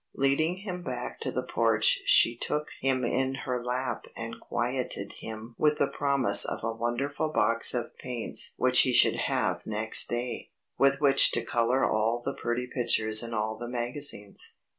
Leading him back to the porch she took him in her lap and quieted him with the promise of a wonderful box of paints which he should have next day, with which to colour all the pretty pictures in all the magazines.